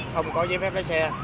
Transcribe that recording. không có giấy phép lấy xe